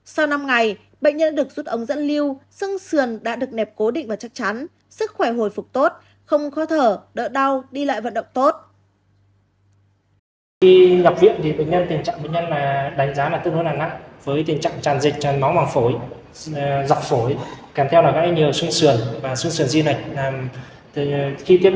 sau năm ngày bệnh nhân đã được rút ống dẫn lưu xương xườn đã được nẹp cố định và chắc chắn sức khỏe hồi phục tốt không khó thở đỡ đau đi lại vận động tốt